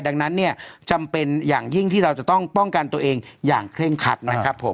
ดังนั้นเนี่ยจำเป็นอย่างยิ่งที่เราจะต้องป้องกันตัวเองอย่างเคร่งคัดนะครับผม